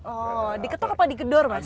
oh diketok apa digedor mas